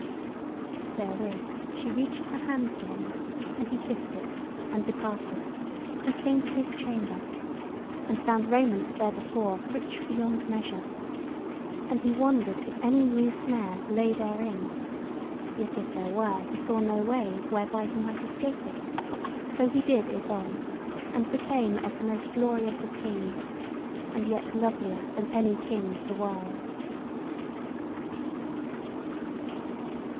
Therewith she reached her hand to him, and he kissed it, and departed and came to his chamber, and found raiment therebefore rich beyond measure; and he wondered if any new snare lay therein: yet if there were, he saw no way whereby he might escape it, so he did it on, and became as the most glorious of kings, and yet lovelier than any king of the world.